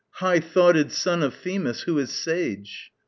High thoughted son of Themis who is sage!